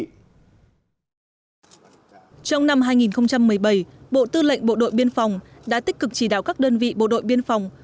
trong năm hai nghìn một mươi bảy bộ tư lệnh bộ đội biên phòng đã tích cực chỉ đạo các đơn vị bộ đội biên phòng